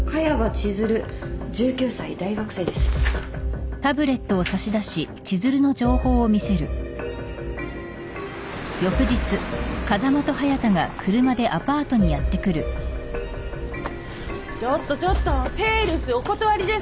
ちょっとちょっとセールスお断りですけど。